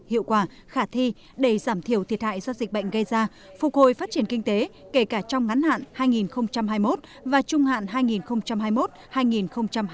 hiệu quả khả thi để giảm thiểu thiệt hại do dịch bệnh gây ra phục hồi phát triển kinh tế kể cả trong ngắn hạn hai nghìn hai mươi một và trung hạn hai nghìn hai mươi một hai nghìn hai mươi năm